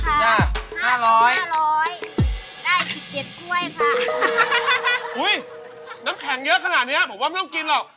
๕๐๐บาทได้๑๗ค่วยค่ะอุ๊ยน้ำแข็งเยอะขนาดนี้ผมว่าไม่ต้องกินหรอก